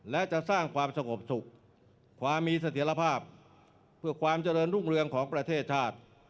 และจะสร้างความสงบสุขความมีเสถียรภาพเพื่อความเจริญรุ่งเรืองของประเทศชาติ